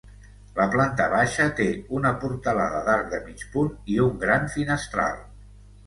La planta baixa té una portalada d'arc de mig punt i un gran finestral.